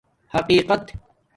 حقِقَت